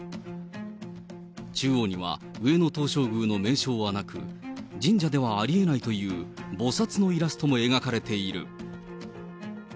中央には上野東照宮の名称はなく、神社ではありえないというぼさつのイラストも描かれている。